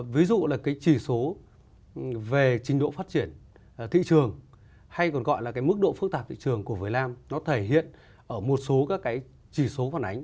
ví dụ là cái chỉ số về trình độ phát triển thị trường hay còn gọi là cái mức độ phức tạp thị trường của việt nam nó thể hiện ở một số các cái chỉ số phản ánh